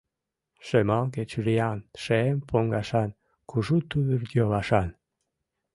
Шемалге чуриян, шем пондашан, кужу тувыр-йолашан.